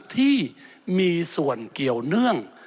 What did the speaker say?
ที่มีส่วนเกี่ยวเนื่อง